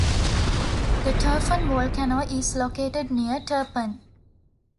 The Turfan volcano is located near Turpan.